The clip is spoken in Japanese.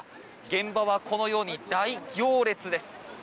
現場は、このように大行列です。